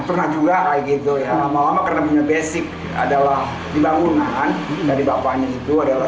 pernah juga gitu ya lama lama karena punya basic adalah bangunan dari bapaknya itu adalah